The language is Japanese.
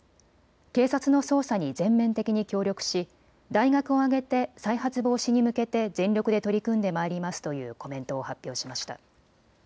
警察の捜査に全面的に協力し大学を挙げて再発防止に向けて全力で取り組んでまいりますというコメントを発表しました。